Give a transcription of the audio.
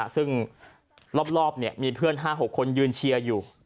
ซึ่งรอบมีเพื่อน๕๖คนยืนเชียร์อยู่